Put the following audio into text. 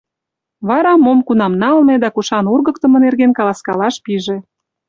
Вара мом кунам налме да кушан ургыктымо нерген каласкалаш пиже.